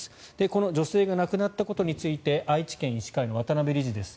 この女性が亡くなったことについて愛知県医師会の渡辺理事です。